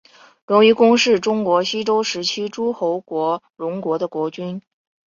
荣夷公是中国西周时期诸侯国荣国的国君。